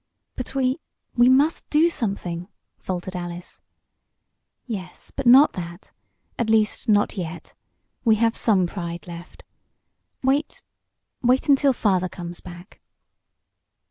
"But we we must do something," faltered Alice. "Yes, but not that at least, not yet. We have some pride left. Wait wait until father comes back."